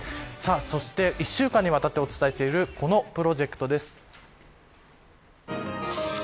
一週間にわたってお伝えしているこのプロジェクトです。